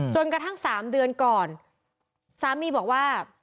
จนกระทั่ง๓เดือนก่อนสามีบอกว่า